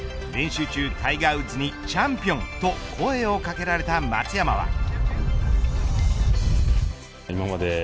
練習中、タイガー・ウッズにチャンピオンと声をかけられた松山は。